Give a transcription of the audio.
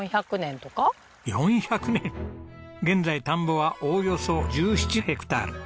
現在田んぼはおおよそ１７ヘクタール５万坪。